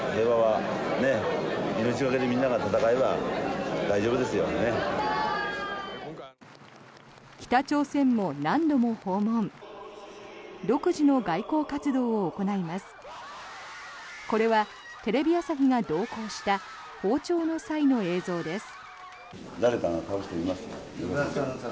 これはテレビ朝日が同行した訪朝の際の映像です。